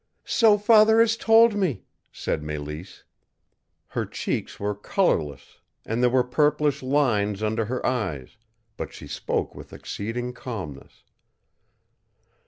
"So father has told me," said Mélisse. Her cheeks were colorless, and there were purplish lines under her eyes, but she spoke with exceeding calmness.